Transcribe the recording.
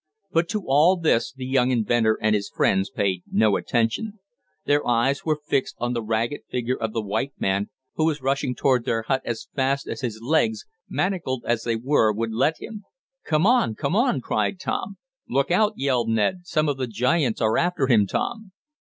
But to all this the young inventor and his friends paid no attention. Their eyes were fixed on the ragged figure of the white man who was rushing toward their hut as fast as his legs, manacled as they were, would let him. "Come on! Come on!" cried Tom. "Look out!" yelled Ned. "Some of the giants are after him, Tom!"